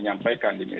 jadi saya meniru